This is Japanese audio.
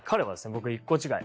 僕と１個違い。